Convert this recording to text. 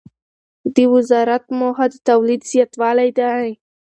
د وزارت موخه د تولید زیاتوالی دی.